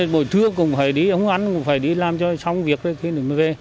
bồi thưa cũng phải đi không ăn cũng phải đi làm cho xong việc rồi khi mới về